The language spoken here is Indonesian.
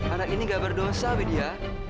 anak ini gak berdosa media